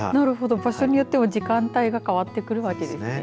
場所によっては時間帯が変わってくるわけですね。